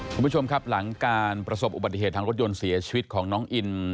คุณผู้ชมครับหลังการประสบอุบัติเหตุทางรถยนต์เสียชีวิตของน้องอิน